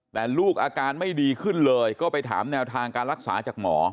แต่ลูกอาการไม่ดีขึ้นเลยก็ไปถามแนวทางการรักษาจากหมอ